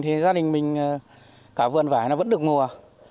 thì gia đình mình cả vườn vải nó vẫn được mùa